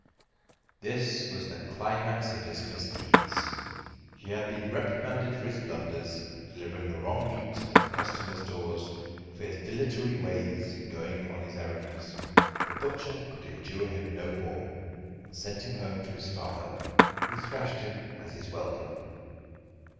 This was the climax of his misdeeds he had been reprimanded for his blunders, delivering the wrong meat at the customers' doors; for his dilatory ways in going on his errands. The butcher could endure him no more, and sent him home to his father, who thrashed him, as his welcome.